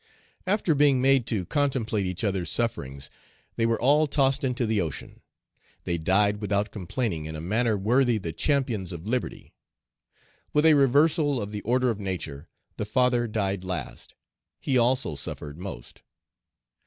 After being made to contemplate each other's sufferings, they were all tossed into the ocean. They died without complaining in a manner worthy the champions of liberty. With a reversal of the order of nature, the father died last; he also suffered most.